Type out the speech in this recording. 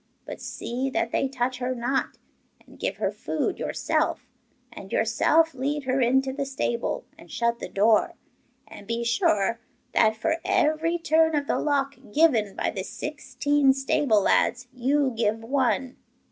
But see that they touch her not, and give her food yourself, and yourself lead her into the stable, and shut the door. And be sure that for every turn of the lock given by the sixteen stable lads you give one.